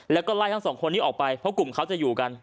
แล้วก็ไล่ทั้งสองคนนี้ออกไปเพราะกลุ่มเขาจะอยู่กัน